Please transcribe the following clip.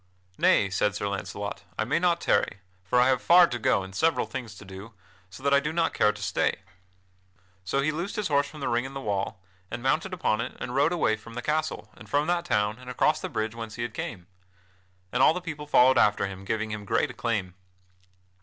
"Nay," said Sir Launcelot: "I may not tarry, for I have far to go and several things to do, so that I do not care to stay." So he loosed his horse from the ring in the wall, and mounted upon it and rode away from that castle and from that town and across the bridge whence he had come. And all the people followed after him, giving him great acclaim.